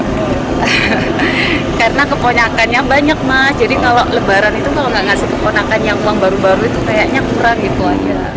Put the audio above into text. untuk kekuatannya banyak mas jadi kalau lebaran itu kalau gak ngasih kekuatannya uang baru baru itu kayaknya kurang gitu aja